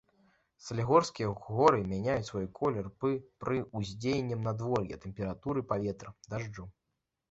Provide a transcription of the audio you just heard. Салігорскія горы мяняюць свой колер пад уздзеяннем надвор'я, тэмпературы паветра, дажджу.